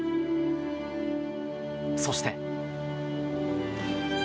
そして。